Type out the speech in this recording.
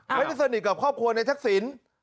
ไม่ได้สนิทกับครอบครัวในทักศิลป์